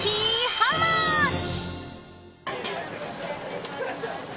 ハウマッチ！